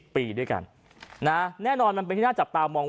๒๐ปีด้วยกันแน่นอนมันเป็นที่น่าจะตาม